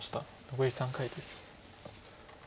残り３回です。